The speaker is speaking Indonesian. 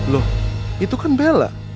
loh itu kan bella